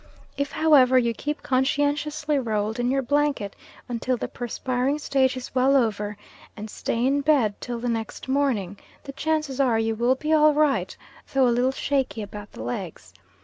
If, however, you keep conscientiously rolled in your blanket until the perspiring stage is well over, and stay in bed till the next morning, the chances are you will be all right, though a little shaky about the legs.